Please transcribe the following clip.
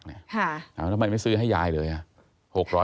แล้วทำไมไม่ซื้อให้ยายเลยอ่ะ